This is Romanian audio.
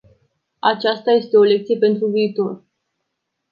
Aceasta este o lecție pentru viitor.